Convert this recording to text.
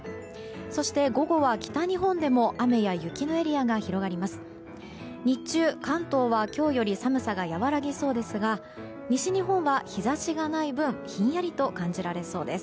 そして、午後は北日本でも雨や雪のエリアが広がります。